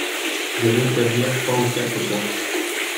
Je veux établir trois ou quatre points.